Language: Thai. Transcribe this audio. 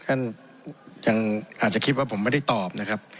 อาจจะคิดว่าผมไม่ได้ตอบ